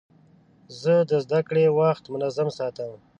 زه د زدهکړې وخت منظم ساتم.